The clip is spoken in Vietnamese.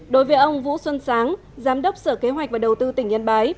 đối với ông vũ xuân sáng giám đốc sở kế hoạch và đầu tư tỉnh yên bái